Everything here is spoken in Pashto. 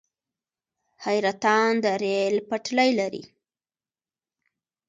حیرتان د ریل پټلۍ لري